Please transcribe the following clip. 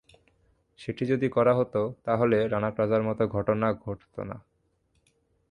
সেটি যদি করা হতো, তাহলে রানা প্লাজার মতো ঘটনা ঘটত না।